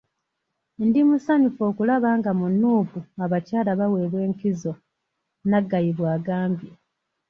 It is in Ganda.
"Ndi musanyufu okulaba nga mu Nuupu abakyala baweebwa enkizo," Naggayi bw'agambye.